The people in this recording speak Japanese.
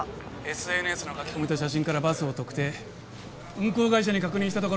ＳＮＳの書き込みと写真からバスを特定運行会社に確認したところ